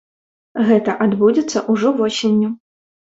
Гэта адбудзецца ўжо восенню.